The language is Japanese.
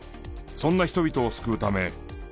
そんな人々を救うため。